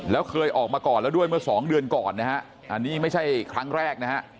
แล้วเคยออกมาก่อนแล้วด้วยเมื่อสองเดือนก่อนนะฮะอันนี้ไม่ใช่ครั้งแรกนะฮะ